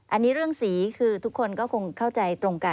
อันนี้เรื่องสีคือทุกคนก็คงเข้าใจตรงกัน